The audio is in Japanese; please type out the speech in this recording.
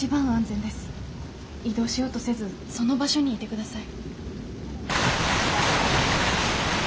移動しようとせずその場所にいてください。